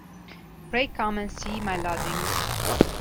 Pray come and see my lodging.